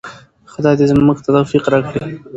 خدای دې موږ ته توفیق راکړي.